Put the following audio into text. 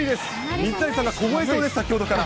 水谷さんが凍えそうです、先ほどから。